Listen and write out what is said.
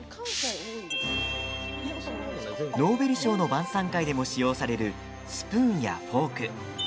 ノーベル賞の晩さん会でも使用されるスプーンやフォーク。